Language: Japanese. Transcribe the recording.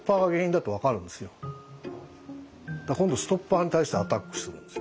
だから今度ストッパーに対してアタックするんですよ。